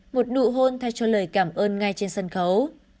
một đụ hôn thay cho lời cảm ơn ngay trên sân khấu